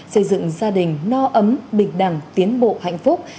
xây dựng gia đình no ấm bình đẳng tiến bộ hạnh phúc